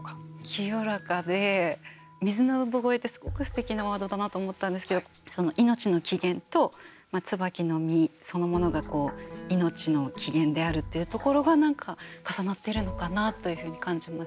清らかで「水の産声」ってすごくすてきなワードだなと思ったんですけど命の起源と椿の実そのものが命の起源であるっていうところが何か重なってるのかなというふうに感じました。